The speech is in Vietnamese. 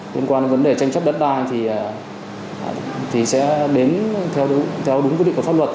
liên quan đến vấn đề tranh chấp đất đai thì sẽ đến theo đúng quy định của pháp luật